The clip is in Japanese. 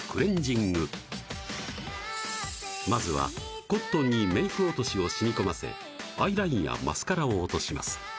まずはコットンにメイク落としを染み込ませアイラインやマスカラを落とします